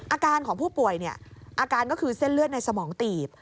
อาการของผู้ป่วยเนี่ยอาการก็คือเส้นเลือดในสมองตีบ